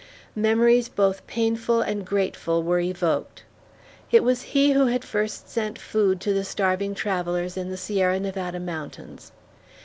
Memories both painful and grateful were evoked. It was he who had first sent food to the starving travellers in the Sierra Nevada Mountains.